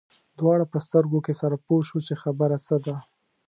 دواړه په سترګو کې سره پوه شول چې خبره څه ده.